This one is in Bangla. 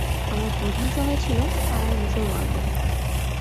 আমার প্রধান সহায় ছিল পাড়ার মুসলমানরা।